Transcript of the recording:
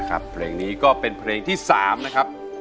เพลงนี้ก็เป็นเพลงที่๓นะครับ